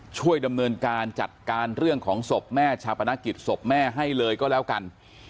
ช่วยดำเนินการจัดการเรื่องของศพแม่ชาปนกิจศพแม่ให้เลยก็แล้วกัน